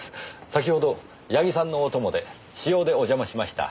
先ほど矢木さんのお供で私用でお邪魔しました。